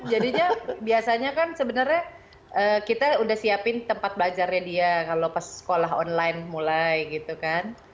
jadi dia biasanya kan sebenarnya kita udah siapin tempat belajarnya dia kalau pas sekolah online mulai gitu kan